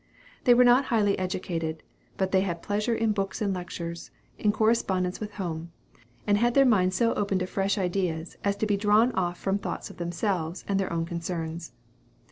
They were not highly educated, but they had pleasure in books and lectures, in correspondence with home; and had their minds so open to fresh ideas, as to be drawn off from thoughts of themselves and their own concerns.